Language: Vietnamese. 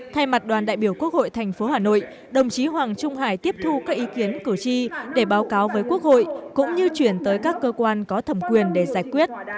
thay mặt đoàn đại biểu quốc hội thành phố hà nội đồng chí hoàng trung hải tiếp thu các ý kiến cử tri để báo cáo với quốc hội cũng như chuyển tới các cơ quan có thẩm quyền để giải quyết